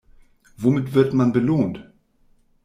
Womit wird man belohnt?